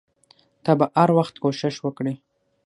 ته به هر وخت کوښښ وکړې.